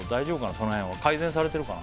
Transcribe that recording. その辺は改善されてるかな？